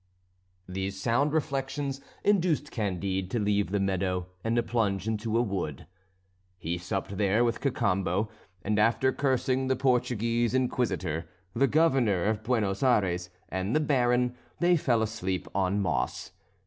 These sound reflections induced Candide to leave the meadow and to plunge into a wood. He supped there with Cacambo; and after cursing the Portuguese inquisitor, the Governor of Buenos Ayres, and the Baron, they fell asleep on moss.